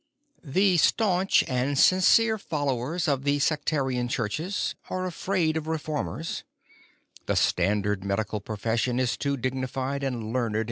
53 The staunch and sincere followers of the sectarian churches are afraid of reformers ; the standard medical profession is too dignilied and learned